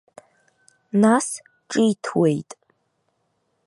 Нас, ҿиҭуеит.